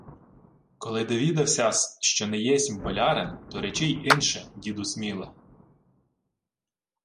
— Коли довідався-с, що не єсмь болярин, то речи й инче, діду Сміле!